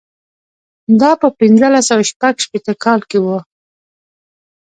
دا په پنځلس سوه شپږ شپېته کال کې و.